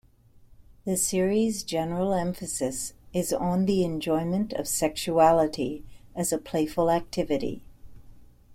The series' general emphasis is on the enjoyment of sexuality as a playful activity.